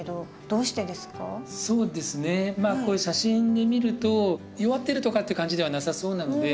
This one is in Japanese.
そうですねこういう写真で見ると弱ってるとかっていう感じではなさそうなので。